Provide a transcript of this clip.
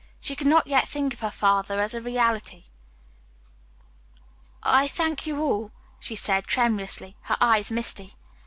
She could not yet think of her father as a reality. "I thank you all," she said tremulously, her eyes misty.